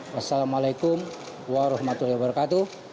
wassalamualaikum warahmatullahi wabarakatuh